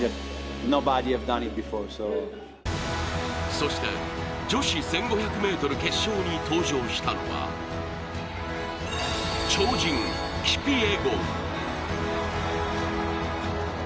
そして女子１５００ｍ決勝に登場したのは超人キピエゴン。